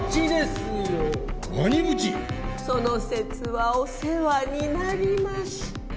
その節はお世話になりました。